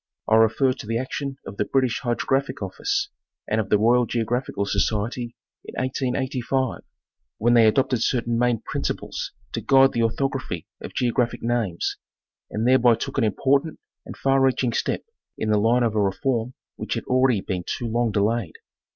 I refer to the action of the British Hydrographic Office and of the Royal Geographical Society in 1885, when they adopted certain main principles to guide the orthography of geographic names, and thereby took an important and far reaching step in the line of a reform which had already been too long delayed.